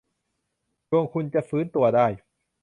ดวงคุณจะฟื้นตัวได้